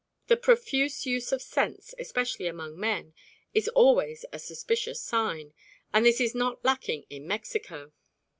The profuse use of scents, especially among men, is always a suspicious sign, and this is not lacking in Mexico.